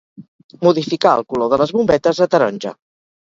Modificar el color de les bombetes a taronja.